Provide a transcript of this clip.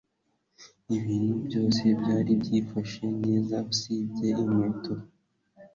Ibintu byose byari byifashe neza usibye inkweto